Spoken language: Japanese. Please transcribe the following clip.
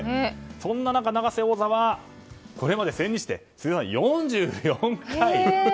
そんな中、永瀬王座はこれまで千日手を通算４４回。